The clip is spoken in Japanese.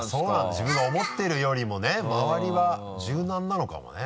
自分が思ってるよりもね周りは柔軟なのかもね。